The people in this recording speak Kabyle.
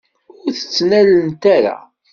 Ur t-ttnalent ara.